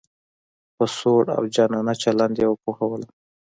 په سوړ او جانانه چلن یې پوهولم.